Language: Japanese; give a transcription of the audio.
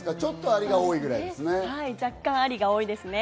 ちょっとありが多いぐらいですね。